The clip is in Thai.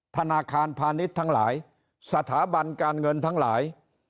ธนาคารพาณิชย์ทั้งหลายสถาบันการเงินทั้งหลาย